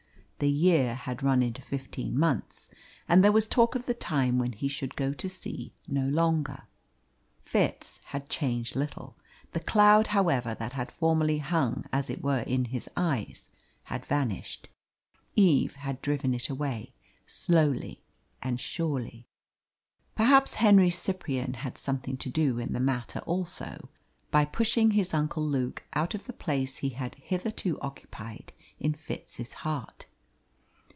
The year had run into fifteen months, and there was talk of the time when he should go to sea no longer. Fitz had changed little. The cloud, however, that had formerly hung as it were in his eyes had vanished. Eve had driven it away, slowly and surely. Perhaps Henry Cyprian had something to do in the matter also by pushing his uncle Luke out of the place he had hitherto occupied in Fitz's heart.